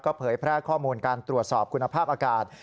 เผยแพร่ข้อมูลการตรวจสอบคุณภาพอากาศ